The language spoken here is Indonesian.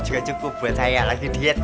buat saya lagi diet